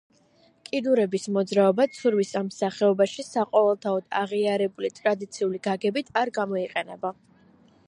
კიდურების მოძრაობა ცურვის ამ სახეობაში საყოველთაოდ აღიარებული ტრადიციული გაგებით არ გამოიყენება.